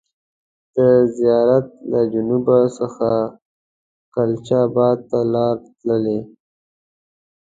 د زیارت له جنوب څخه کلچا بات ته لار تللې.